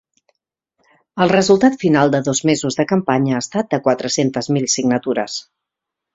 El resultat final de dos mesos de campanya ha estat de quatre-cents mil signatures.